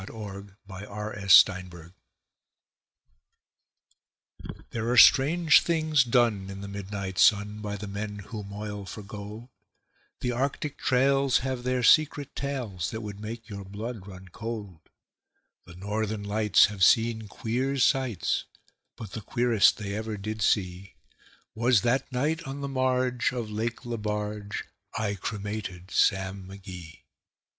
The Cremation of Sam Mcgee There are strange things done in the midnight sun By the men who moil for gold; The Arctic trails have their secret tales That would make your blood run cold; The Northern Lights have seen queer sights, But the queerest they ever did see Was that night on the marge of Lake Lebarge I cremated Sam McGee.